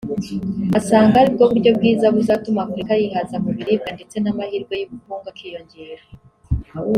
asanga aribwo buryo bwiza buzatuma Afurika yihaza mu biribwa ndetse n’amahirwe y’ubukungu akiyongera